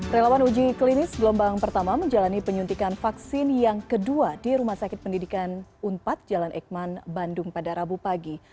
relawan uji klinis gelombang pertama menjalani penyuntikan vaksin yang kedua di rumah sakit pendidikan unpad jalan ekman bandung pada rabu pagi